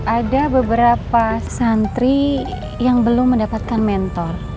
ada beberapa santri yang belum mendapatkan mentor